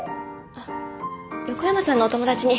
あっ横山さんのお友達に。